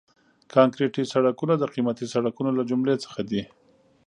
کانکریټي سړکونه د قیمتي سړکونو له جملې څخه دي